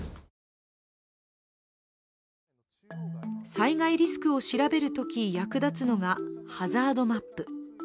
災害リスクを調べるとき役立つのがハザードマップ。